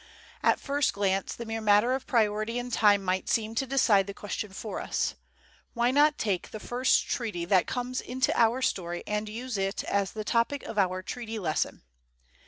At first glance the mere matter of priority in time might seem to decide the question for us. Why not take the first treaty that comes into our story and use it as the topic of our treaty lesson?